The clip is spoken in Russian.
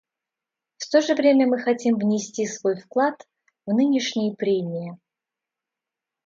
В то же время мы хотим внести свой вклад в нынешние прения.